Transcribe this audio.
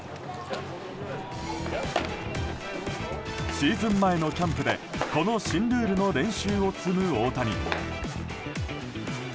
シーズン前のキャンプでこの新ルールの練習を積む大谷。